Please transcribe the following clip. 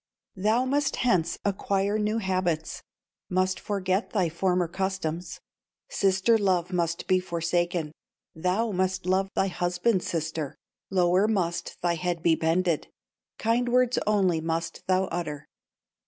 "Thou must hence acquire new habits Must forget thy former customs, Sister love must be forsaken, Thou must love thy husband's sister, Lower must thy head be bended, Kind words only must thou utter.